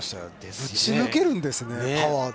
ぶち抜けるんですね、パワーで。